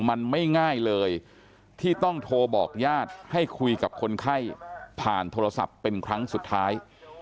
มันไม่ง่ายเลยที่ต้องโทรบอกญาติให้คุยกับคนไข้ผ่านโทรศัพท์เป็นครั้งสุดท้าย